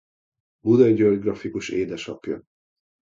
Buday György grafikus édesapja.